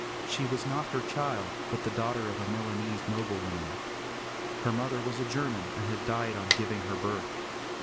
She was not her child, but the daughter of a Milanese nobleman. Her mother was a German and had died on giving her birth.